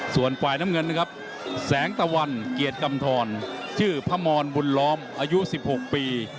ส่วนฝ่ายน้ำเงินนะครับแสงตะวันเกียรติกำทรชื่อพระมรบุญล้อมอายุ๑๖ปี